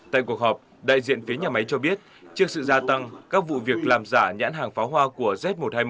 tại cuộc họp đại diện phía nhà máy cho biết trước sự gia tăng các vụ việc làm giả nhãn hàng pháo hoa của z một trăm hai mươi một